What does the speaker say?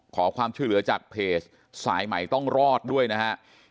ขอความช่วยเหลือจากเพจสายใหม่ต้องรอดด้วยนะฮะ